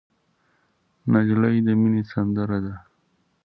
نجلۍ د مینې سندره ده.